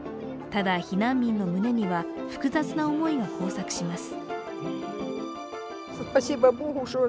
ただ、避難民の胸には複雑な思いが交錯します。